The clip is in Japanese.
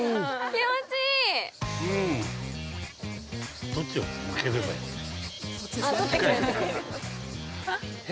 気持ちいい。